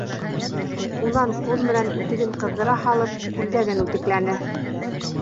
Унан ҡуҙ менән үтеген ҡыҙҙыра һалып, күлдәген үтекләне.